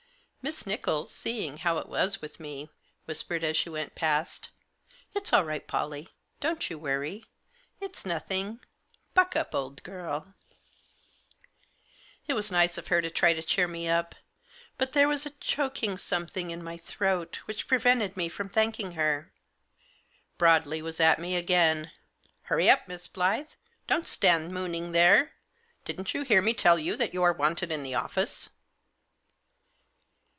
Miss Nichols, seeing how it was with me, whispered as she went past ;" It's all right, PolUe, don't you worry, it's nothing, Buck up, old girl" It was nice of her to try to cheer me up ; but there was a choking something in my throat which Digitized by AN INTERVIEW WITH MB. SLAUGHTER. 81 prevented me from thanking her. Broadley was at me again. * Hurry up, Miss Blyth, don't stand mooning there. Didn't you hear me tell you that you are wanted in the office